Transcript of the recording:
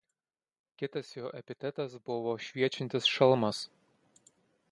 Kitas jo epitetas buvo „šviečiantis šalmas“.